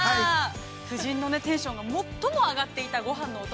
夫人のテンションが最も上がっていたごはんのお供